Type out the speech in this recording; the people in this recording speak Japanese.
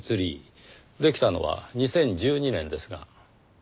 できたのは２０１２年ですが。